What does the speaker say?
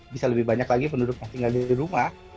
bisa lebih banyak lagi penduduk yang tinggal di rumah